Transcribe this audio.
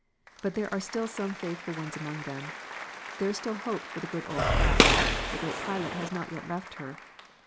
But there are still some faithful ones among them. There is still hope for the good old craft. The Great Pilot has not yet left her.